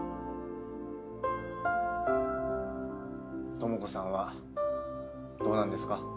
ともこさんはどうなんですか？